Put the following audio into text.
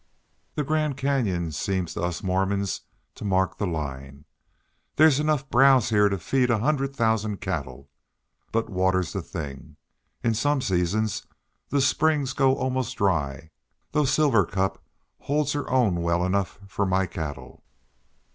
The Grand Canyon seems to us Mormons to mark the line. There's enough browse here to feed a hundred thousand cattle. But water's the thing. In some seasons the springs go almost dry, though Silver Cup holds her own well enough for my cattle."